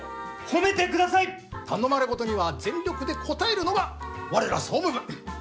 頼まれ事には全力で応えるのが我ら総務部。